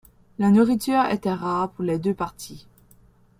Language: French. La nourriture était rare pour les deux parties.